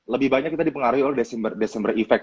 lebih banyak kita dipengaruhi oleh desember effec